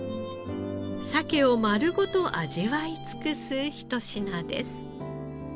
サケをまるごと味わいつくすひと品です。